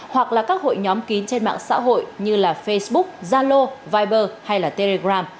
hoặc là các hội nhóm kín trên mạng xã hội như facebook zalo viber hay telegram